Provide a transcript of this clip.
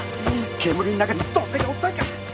煙の中にどんだけおったんか。